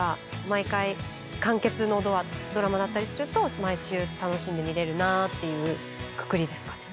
毎回完結のドラマだったりすると毎週楽しんで見れるなっていうくくりですかね。